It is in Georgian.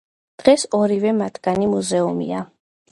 დღეს ორივე მათგანი მუზეუმია.